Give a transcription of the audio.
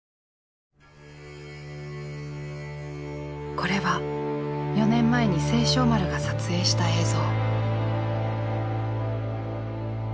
これは４年前に盛勝丸が撮影した映像。